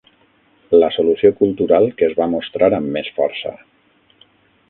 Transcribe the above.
La solució cultural que es va mostrar amb més força.